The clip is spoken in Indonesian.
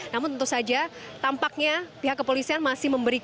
namun tentu saja tampaknya pihak kepolisian masih memberikan